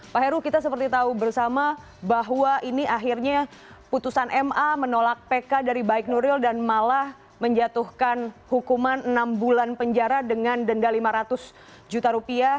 pak heru kita seperti tahu bersama bahwa ini akhirnya putusan ma menolak pk dari baik nuril dan malah menjatuhkan hukuman enam bulan penjara dengan denda lima ratus juta rupiah